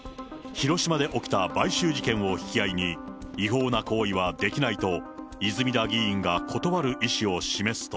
広島で起きた買収事件を引き合いに、違法な行為はできないと、泉田議員が断る意思を示すと。